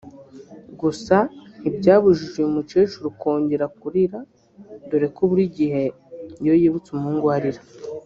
Gusa ntibyabujije uyu mukecuru kongera kurira dore ko buri gihe iyo yibutse umuhungu we arira